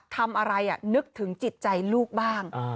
ทำอะไรนึกถึงจิตใจลูกบ้าง